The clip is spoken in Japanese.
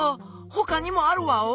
ほかにもあるワオ？